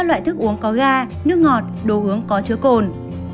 các loại thức uống có ga nước ngọt đồ uống có chứa cồn